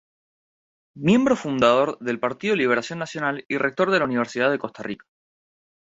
Miembro fundador del Partido Liberación Nacional y rector de la Universidad de Costa Rica.